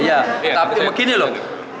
iya tapi begini loh